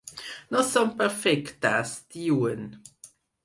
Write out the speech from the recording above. No som perfectes, diuen.